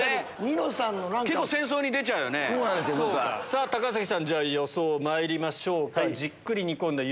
さぁ高杉さん予想まいりましょうか。